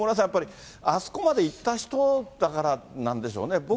やっぱり、あそこまで行った人だからなんでしょうね。